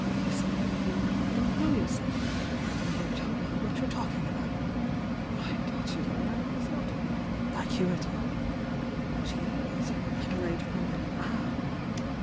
You see, you don't know yourself, and you don't know what you're talking about! My daughter Diana was not like you at all,— she was a middle aged woman — Ah!